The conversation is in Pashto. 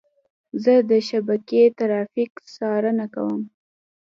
زه د شبکې ترافیک څارنه کوم.